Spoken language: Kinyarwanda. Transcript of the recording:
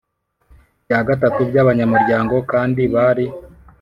Bya gatatu by abanyamuryango kandi bari